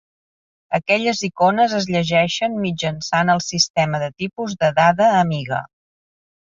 Aquelles icones es llegeixen mitjançant el sistema de tipus de dada Amiga.